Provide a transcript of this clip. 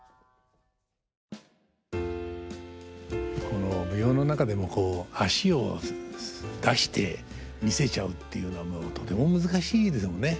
この舞踊の中でもこう脚を出して見せちゃうっていうのはとても難しいでしょうね。